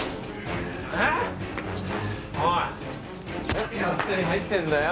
何勝手に入ってんだよ！